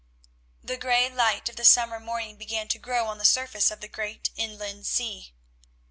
The grey light of the summer morning began to grow on the surface of the great inland sea.